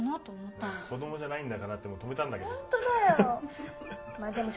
子供じゃないんだからって止めたんだけどさ。